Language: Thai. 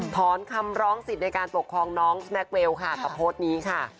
ถอนคำร้องสิทธิ์ในการปกครองน้องแม็กเวลค่ะกับโพสต์นี้ค่ะ